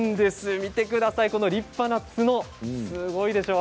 見てください、立派な角すごいでしょう。